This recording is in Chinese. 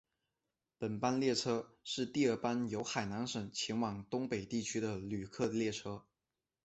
本班列车是第二班由海南省前往东北地区的旅客列车。